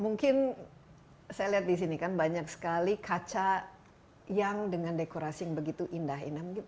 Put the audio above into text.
mungkin saya lihat di sini kan banyak sekali kaca yang dengan dekorasi yang begitu indah